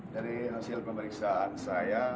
dari hasil pemeriksaan saya